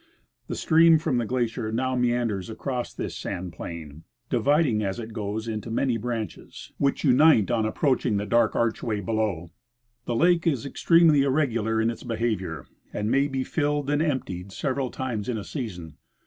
The stream from the glacier now meanders across this sand plain, dividing as it goes into many branches, which unite on approach Mounts Augusta and Malaspina. 117 ing the dark archway below. The lake is extremely irregular in its behavior, and may be filled and emptied several times in a season.